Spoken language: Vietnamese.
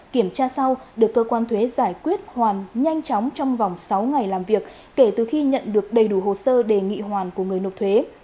kiểm tra sau được cơ quan thuế giải quyết hoàn nhanh chóng trong vòng sáu ngày làm việc kể từ khi nhận được đầy đủ hồ sơ đề nghị hoàn của người nộp thuế